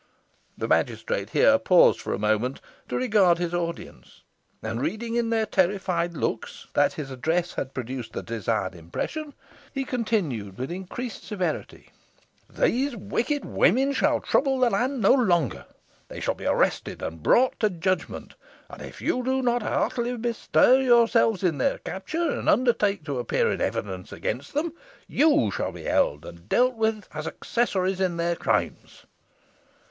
The magistrate here paused for a moment to regard his audience, and reading in their terrified looks that his address had produced the desired impression, he continued with increased severity "These wicked women shall trouble the land no longer. They shall be arrested and brought to judgment; and if you do not heartily bestir yourselves in their capture, and undertake to appear in evidence against them, you shall be held and dealt with as accessories in their crimes."